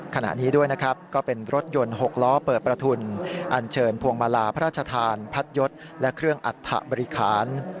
ขณะนี้ด้วยนะครับก็เป็นรถยนต์๖ล้อเปิดประทุนอันเชิญพวงมาลาพระราชทานพัดยศและเครื่องอัฐบริคาร